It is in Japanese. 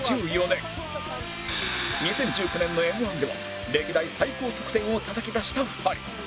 ２０１９年の Ｍ−１ では歴代最高得点をたたき出した２人